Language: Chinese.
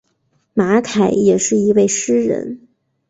马凯也是一位诗人。